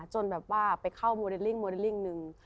จนแบบว่าไปเข้าโมเดลลิ่งนึง